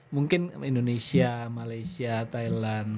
mungkin indonesia malaysia thailand